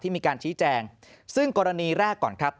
มีการชี้แจงซึ่งกรณีแรกก่อนครับ